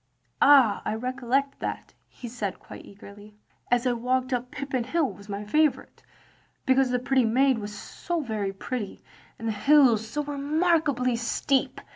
"Ah, I recollect that," he said quite eagerly. *As I walked up Pippin Hill, ' was my favourite, because the pretty maid was so very pretty, and the hill so remarkably steep.